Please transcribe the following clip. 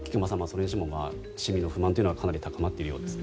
それにしても市民の不満はかなり高まっているようです。